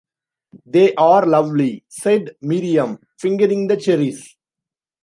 “They are lovely,” said Miriam, fingering the cherries.